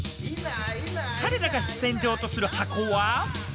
彼らが主戦場とするハコは。